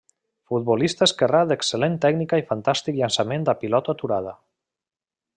Futbolista esquerrà d'excel·lent tècnica i fantàstic llançament a pilota aturada.